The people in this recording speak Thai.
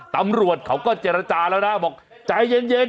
ตำรวจเขาก็เจรจรรท่าแล้วนะ